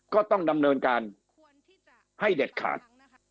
ก็ต้องดำเนินการให้เด็ดขาด